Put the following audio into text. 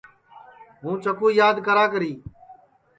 ہُوں چکُو یاد کراکری